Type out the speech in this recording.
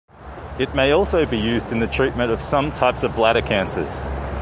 It may also be used in the treatment of some types of bladder cancers.